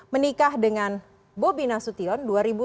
menikah dengan bobina soekarno